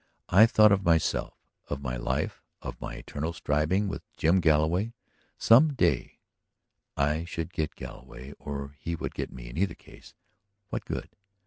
I thought of myself, of my life, of my eternal striving with Jim Galloway. Some day I should get Galloway or he would get me. In either case, what good?